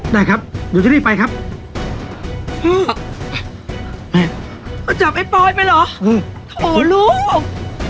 ได้ครับอยู่ที่นี่ไปครับจับไอ้ปอยไปเหรอโถลูก